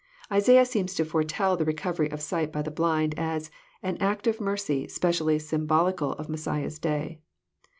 Isaiah seems to foretell the re covery of sight by the blind, as <'an act of mercy specially symbolical of Messiah's day."